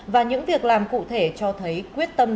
và những việc làm cụ thể cho thấy quyết tâm